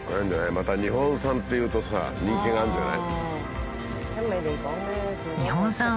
また日本産というと人気があるんじゃない？